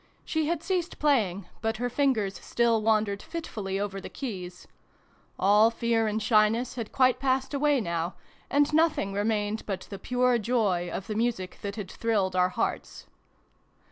She had ceased playing, but her fingers still wandered fitfully over the keys. All fear and shyness had quite passed away now, and nothing remained but the pure joy of the music that had thrilled our hearts.